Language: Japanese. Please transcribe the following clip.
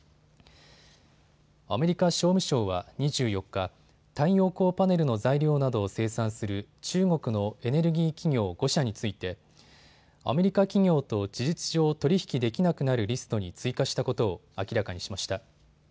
アメリカ商務省は２４日、太陽光パネルの材料などを生産する中国のエネルギー企業５社についてアメリカ企業と事実上、取り引きできなくなるリストに追加したことを明らかにしました。